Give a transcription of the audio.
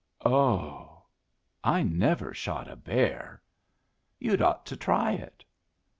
"O h! I never shot a bear." "You'd ought to try it."